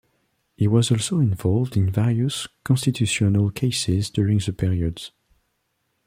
He was also involved in various constitutional cases during the period.